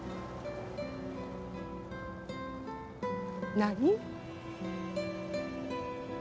何？